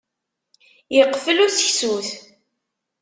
Iqfel useksut.